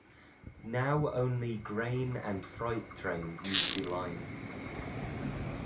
Now only grain and freight trains use the line.